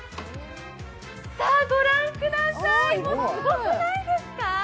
御覧ください、すごくないですか？